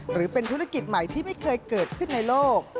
หรือเป็นธุรกิจใหม่ที่ไม่เคยเกิดขึ้นในโลก